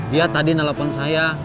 dia tadi nelfon saya